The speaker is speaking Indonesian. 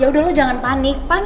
ya udah lo jangan panik panik